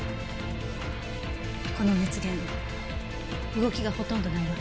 この熱源動きがほとんどないわ。